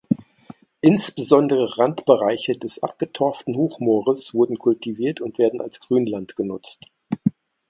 Insbesondere Randbereiche des abgetorften Hochmoores wurden kultiviert und werden als Grünland genutzt.